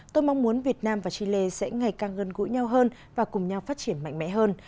tôi mong muốn việt nam và chile sẽ ngày càng gần gũi nhau hơn và cùng nhau phát triển mạnh mẽ hơn